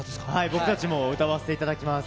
僕たちも歌わせていただきます。